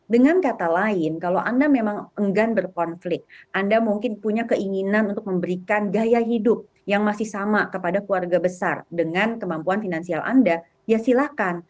dengan kata lain kalau anda memang enggan berkonflik anda mungkin punya keinginan untuk memberikan gaya hidup yang masih sama kepada keluarga besar dengan kemampuan finansial anda ya silakan